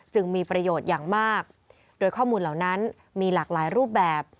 มีประโยชน์อย่างมากโดยข้อมูลเหล่านั้นมีหลากหลายรูปแบบ